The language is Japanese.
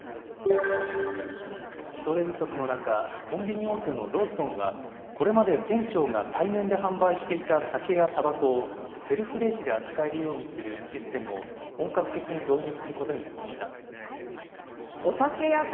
人手不足の中、コンビニ大手のローソンは、これまで店長が対面で販売していた酒やたばこをセルフレジで扱えるようにするシステムを本格的に導入することになりました。